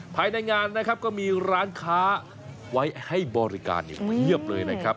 ภายในงานนะครับก็มีร้านค้าไว้ให้บริการเพียบเลยนะครับ